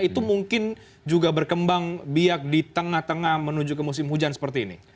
itu mungkin juga berkembang biak di tengah tengah menuju ke musim hujan seperti ini